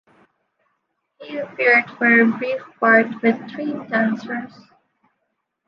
He appeared for a brief part with three dancers.